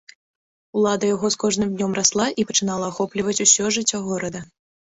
Улада яго з кожным днём расла і пачынала ахопліваць усё жыццё горада.